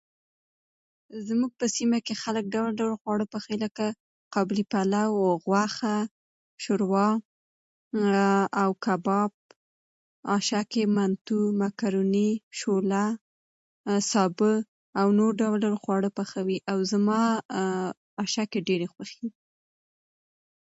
زموږ په سیمه کې خلک ډول ډول خواړه پخوي لکه قابلي پلو ،غوښه ،شوروا او کباب آشک ،منتو ،مکروني، شوله ،سابه ،او نور ډول ډول خواړه پخوي او زما آشک ډيري خوښېږي